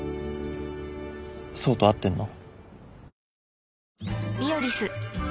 想と会ってんの？